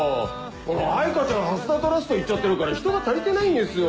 藍花ちゃん蓮田トラスト行っちゃってるから人が足りてないんですよ。